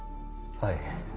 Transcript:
はい。